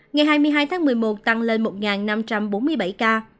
ngày hai mươi hai tháng một mươi một tăng lên một năm trăm bốn mươi bảy ca